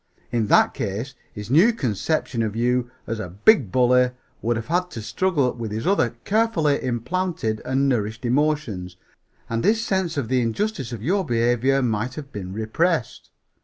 In that case his new conception of you as a big bully would have had to struggle with his other carefully implanted and nourished emotions and his sense of the injustice of your behavior might have been 'repressed.'